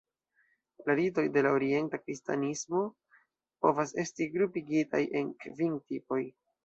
La ritoj de la Orienta Kristanismo povas esti grupigitaj en kvin tipoj.